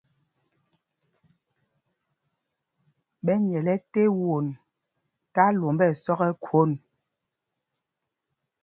Ɓɛ nyɛl ɛte won tí alwǒmb ɛsɔk ɛ́ khwôn.